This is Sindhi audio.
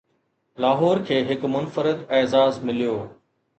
لاهور کي هڪ منفرد اعزاز مليو